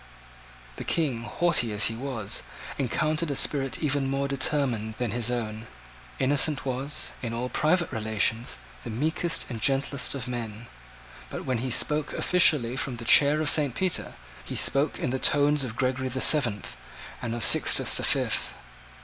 The King, haughty as he was, encountered a spirit even more determined than his own. Innocent was, in all private relations, the meekest and gentlest of men: but when he spoke officially from the chair of St. Peter, he spoke in the tones of Gregory the Seventh and of Sixtus the Fifth.